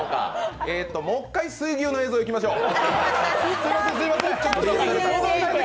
もう１回水牛の映像いきましょう。